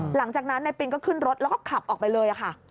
หลังจากนั้นนายปินก็ขึ้นรถแล้วก็ขับออกไปเลยค่ะ